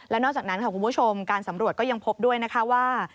นอกจากนั้นค่ะคุณผู้ชมการสำรวจก็ยังพบด้วยนะคะว่า